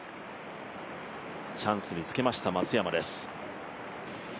チャンスにつけました松山です。